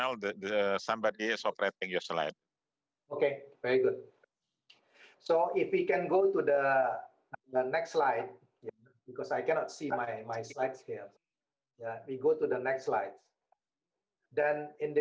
ini adalah perangkat perangkat perangkat